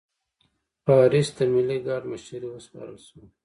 پاریس د ملي ګارډ مشري وسپارل شوه.